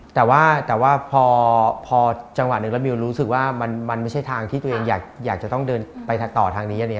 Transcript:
แต่ว่าพอจังหวะหนึ่งแล้วมิวรู้สึกว่ามันไม่ใช่ทางที่ตัวเองอยากจะต้องเดินไปต่อทางนี้